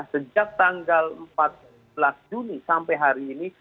sejak tanggal empat belas juni sampai hari ini